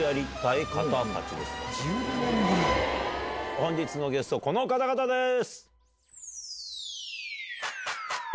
本日のゲスト、この方々です。